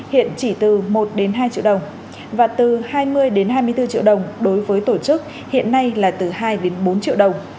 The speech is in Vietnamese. hiện chỉ từ một đến hai triệu đồng và từ hai mươi hai mươi bốn triệu đồng đối với tổ chức hiện nay là từ hai đến bốn triệu đồng